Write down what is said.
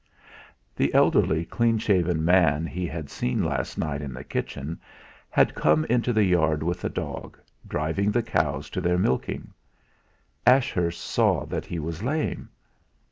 The elderly, clean shaven man he had seen last night in the kitchen had come into the yard with a dog, driving the cows to their milking. Ashurst saw that he was lame.